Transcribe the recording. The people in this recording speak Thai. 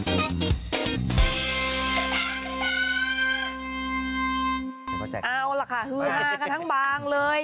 เอาล่ะค่ะฮือหากันทั้งบางเลย